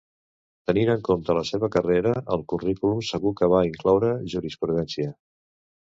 Tenint en compte la seva carrera, el currículum segur que va incloure jurisprudència.